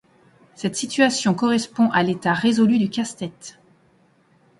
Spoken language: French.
Cette situation correspond à l'état résolu du casse-tête.